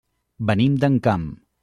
Venim d'Encamp.